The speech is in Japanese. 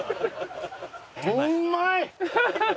うまい！